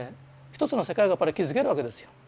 一つの世界がやっぱり築けるわけですよ。